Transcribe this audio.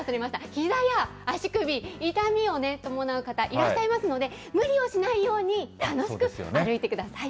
ひざや足首、痛みを伴う方、いらっしゃいますので、無理をしないように、楽しく歩いてください。